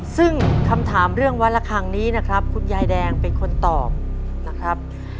ซึ่งคำถามเรื่องวันละคังนี้นะครับคุณยายแดงเป็นคนตอบนะครับ